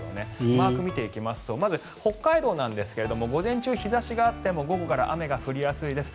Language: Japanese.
マークを見ていきますとまず、北海道ですが午前中日差しがあっても午後から雨が降りやすいです。